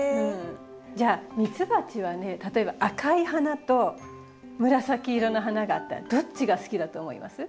じゃあミツバチはね例えば赤い花と紫色の花があったらどっちが好きだと思います？